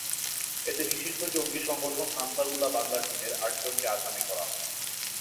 এতে নিষিদ্ধ জঙ্গি সংগঠন আনসারুল্লাহ বাংলা টিমের আটজনকে আসামি করা হয়।